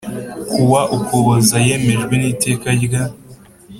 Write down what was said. kuwa Ukuboza yemejwe n Iteka rya